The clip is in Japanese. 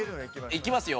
いきますよ。